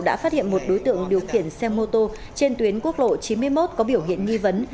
đã phát hiện một đối tượng điều khiển xe mô tô trên tuyến quốc lộ chín mươi một có biểu hiện nghi vấn